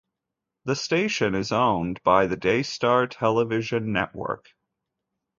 The station is owned by the Daystar Television Network.